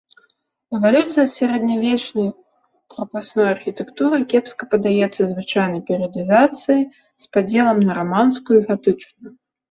Эвалюцыя сярэднявечнай крапасной архітэктуры кепска паддаецца звычайнай перыядызацыі з падзелам на раманскую і гатычную.